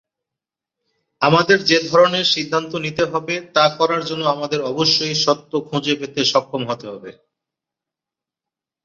আমাদের যে ধরণের সিদ্ধান্ত নিতে হবে তা করার জন্য আমাদের অবশ্যই সত্য খুঁজে পেতে সক্ষম হতে হবে।